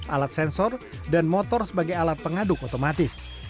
alat sensor dan motor sebagai alat pengaduk otomatis